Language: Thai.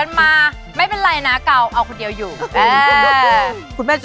นางพ่นพิษนางราออกแล้วเปล่า